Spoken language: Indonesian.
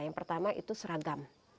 yang pertama itu seragam